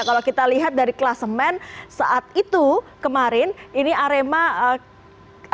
kalau kita lihat dari kelas men saat itu kemarin ini arema fc